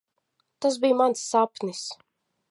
Tas bija mans sapnis.